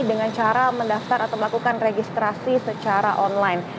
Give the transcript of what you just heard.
dengan cara mendaftar atau melakukan registrasi secara online